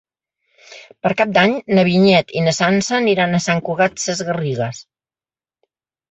Per Cap d'Any na Vinyet i na Sança aniran a Sant Cugat Sesgarrigues.